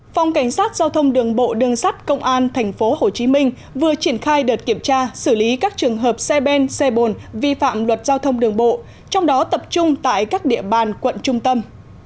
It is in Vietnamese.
phòng cảnh sát giao thông đường bộ đường sắt công an tp hcm vừa triển khai đợt kiểm tra xử lý các trường hợp xe bên xe bồn vi phạm luật giao thông đường bộ trong đó tập trung tại các địa bàn quận trung tâm